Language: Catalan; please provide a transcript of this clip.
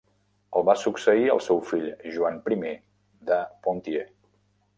El va succeir el seu fill Joan I de Ponthieu.